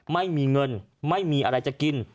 ไม่มีเงินไม่มีอะไรจะกิน